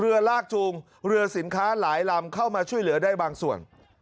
ลากจูงเรือสินค้าหลายลำเข้ามาช่วยเหลือได้บางส่วน